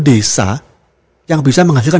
desa yang bisa menghasilkan